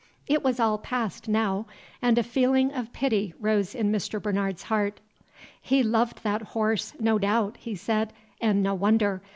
It was all past now, and a feeling of pity rose in Mr. Bernard's heart. "He loved that horse, no doubt," he said, "and no wonder.